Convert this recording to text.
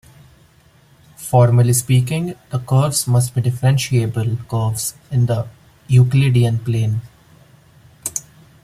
Formally speaking, the curves must be differentiable curves in the Euclidean plane.